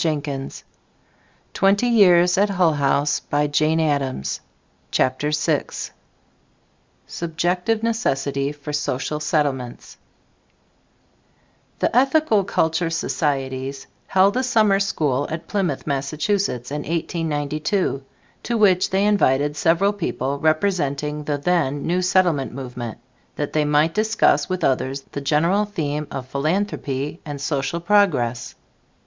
1910) pp. 113 127. [Editor: Mary Mark Ockerbloom] CHAPTER VI SUBJECTIVE NECESSITY FOR SOCIAL SETTLEMENTS The Ethical Culture Societies held a summer school at Plymouth, Massachusetts, in 1892, to which they invited several people representing the then new Settlement movement, that they might discuss with others the general theme of Philanthropy and Social Progress.